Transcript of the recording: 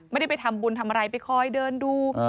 ไม่ได้ไปทำบุญทำอะไรไปคอยเดินดู